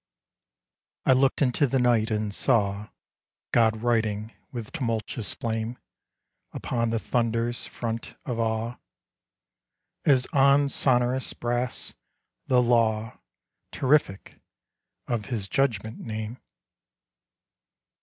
I looked into the night and saw GOD writing with tumultuous flame Upon the thunder's front of awe, As on sonorous brass, the Law, Terrific, of HIS judgement name.